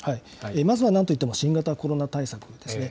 まずはなんといっても新型コロナ対策ですね。